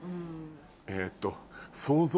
えっと。